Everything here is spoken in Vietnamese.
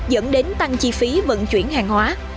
dẫn đến tăng chi phí vận chuyển hàng hóa